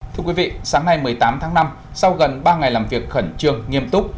thưa quý vị sáng nay một mươi tám tháng năm sau gần ba ngày làm việc khẩn trương nghiêm túc